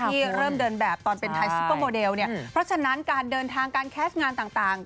ที่เริ่มเดินแบบตอนเป็นไทยซุปเปอร์โมเดลเนี่ยเพราะฉะนั้นการเดินทางการแคสต์งานต่าง